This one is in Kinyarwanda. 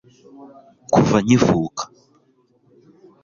kuva nkivuka